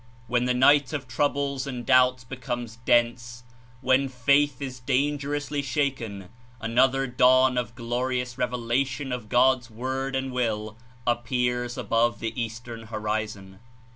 When the night of troubles and doubts becomes dense, when faith is dangerously shaken, an other dawn of glorious revelation of God's Word and Will appears above the Eastern Horizon.